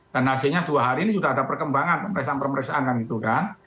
dan hasilnya dua hari ini sudah ada perkembangan pemeriksaan pemeriksaan kan gitu kan